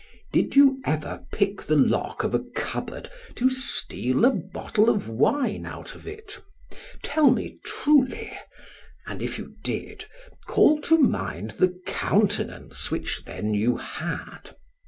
Did you ever pick the lock of a cupboard to steal a bottle of wine out of it? Tell me truly, and, if you did, call to mind the countenance which then you had.